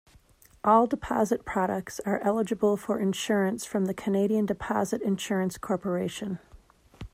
All deposit products are eligible for insurance from the Canadian Deposit Insurance Corporation.